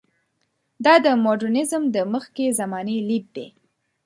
دا د مډرنیزم د مخکې زمانې لید دی.